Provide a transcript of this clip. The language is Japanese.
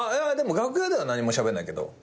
でも楽屋では何もしゃべんないけど。